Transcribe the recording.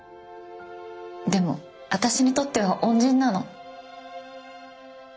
でも私にとっては恩人なの。